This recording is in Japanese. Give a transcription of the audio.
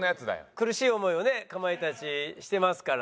苦しい思いをねかまいたちしてますから。